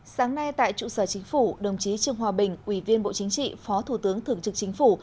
sáng nay tại trụ sở chính phủ đồng chí trương hòa bình ủy viên bộ chính trị phó thủ tướng thường trực chính phủ